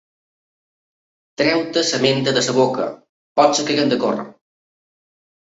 Treu-te la menta de la boca, pot ser que haguem de córrer.